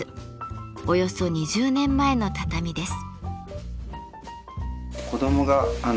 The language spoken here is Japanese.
およそ２０年前の畳です。